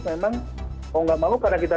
memang kalau nggak mau karena kita